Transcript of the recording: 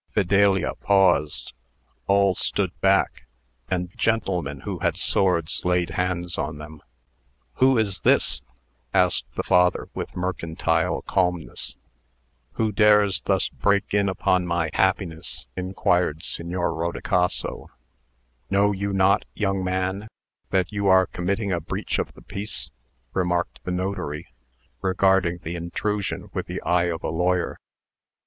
Fidelia paused; all stood back; and gentlemen who had swords laid hands on them. "Who is this?" asked the Father, with mercantile calmness. "Who dares thus break in upon my happiness?" inquired Signor Rodicaso. "Know you not, young man, that you are committing a breach of the peace?" remarked the notary, regarding the intrusion with the eye of a lawyer.